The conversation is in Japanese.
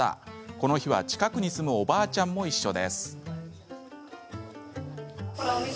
この日は、近くに住むおばあちゃんも一緒です。